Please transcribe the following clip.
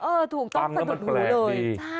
เออถูกทีฟังแล้วมันแปลกดี